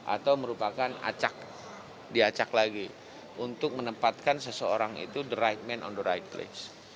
atau merupakan acak diacak lagi untuk menempatkan seseorang itu the right man on the right place